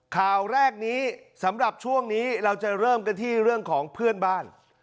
ข่าวแรกนี้สำหรับช่วงนี้เราจะเริ่มกันที่เรื่องของเพื่อนบ้าน